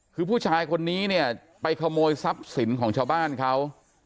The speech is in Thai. คือผู้ชายคนนี้เนี่ยไปขโมยทรัพย์สินของชาวบ้านเขา